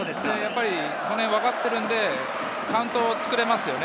その辺を分かっているので、カウントをつくれますよね。